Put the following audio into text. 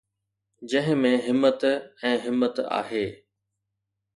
جنهن ۾ همت ۽ همت آهي.